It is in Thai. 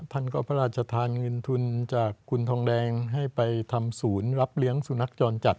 ท่านก็พระราชทานเงินทุนจากคุณทองแดงให้ไปทำศูนย์รับเลี้ยงสุนัขจรจัด